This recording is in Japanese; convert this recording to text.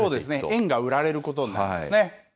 円が売られることになるんですね。